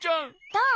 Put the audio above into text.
どう？